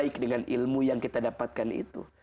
baik dengan ilmu yang kita dapatkan itu